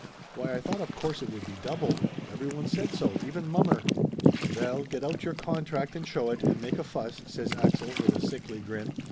Why, I thought of course it would be double! Everyone said so, even mommer!" "Veil, get out your contract and show it and make a fuss!" says Axel with a sickly grin.